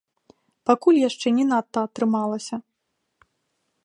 Пакуль яшчэ не надта атрымалася.